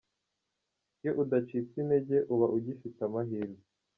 Iyo udacitse intege, uba ugifite amahirwe.